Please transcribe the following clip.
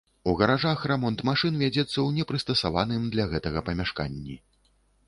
У гаражах рамонт машын вядзецца ў непрыстасаваным для гэтага памяшканні.